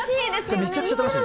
めちゃくちゃ楽しい。